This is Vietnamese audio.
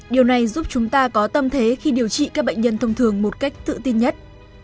điều này giúp chúng ta có tâm thế khi điều trị các bệnh nhân thông thường một cách tự tin nhất